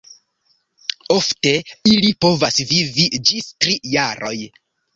Ofte ili povas vivi ĝis tri jaroj.